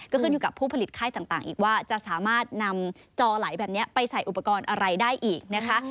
ก็ขึ้นอยู่กับผู้ผลิตไข้ต่างอีกว่าจะสามารถนำจอไหลแบบนี้ไปใส่อุปกรณ์อะไรได้อีกนะคะ